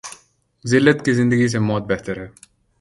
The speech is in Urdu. زلت کی زندگی سے موت بہتر ہے۔